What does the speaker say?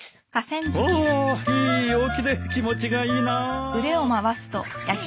おいい陽気で気持ちがいいなあ。